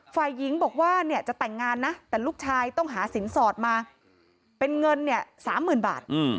ฝ่ายหญิงบอกว่าเนี่ยจะแต่งงานนะแต่ลูกชายต้องหาสินสอดมาเป็นเงินเนี่ย๓๐๐๐บาท